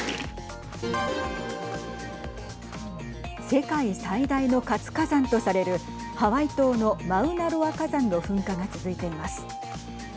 世界最大の活火山とされるハワイ島のマウナロア火山の噴火が続いています。